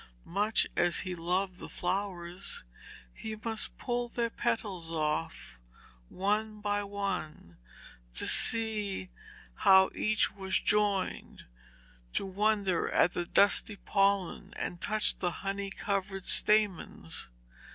Much as he loved the flowers he must pull their petals of, one by one, to see how each was joined, to wonder at the dusty pollen, and touch the honey covered stamens.